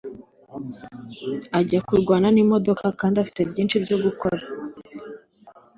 ajya kurwana n'imodoka kandi afite byinshi byo gukora